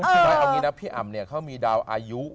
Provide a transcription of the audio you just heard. เอาอย่างนี้นะพี่อำเขามีดาวอายุ